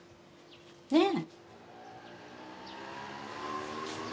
ねえ。